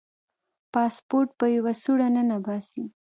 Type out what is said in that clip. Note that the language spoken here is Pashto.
پاسپورټ په یوه سوړه ننباسي.